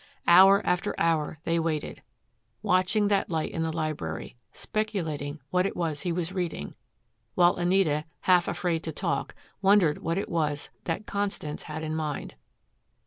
Hour after hour they waited, watching that light in the library, speculating what it was he was reading, while Anita, half afraid to talk, wondered what it was that Constance had in mind.